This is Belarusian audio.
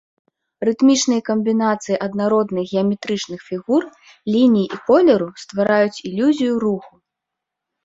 Рытмічныя камбінацыі аднародных геаметрычных фігур, ліній і колеру ствараюць ілюзію руху.